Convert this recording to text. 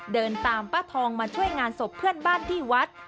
เดินตามป้าทองมาช่วยงานศพเพื่อนบ้านที่วัด